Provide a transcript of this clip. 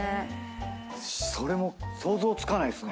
それも想像つかないですね。